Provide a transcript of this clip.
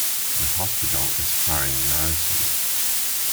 The hospital is hiring nurses.